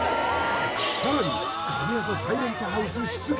さらに神業サイレントハウス出現！